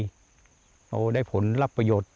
ในตัวต่อเลยโหได้ผลรับประโยชน์